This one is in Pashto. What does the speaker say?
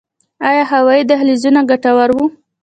آیا هوایي دهلیزونه ګټور وو؟